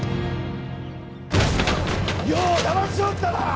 余をだましおったな！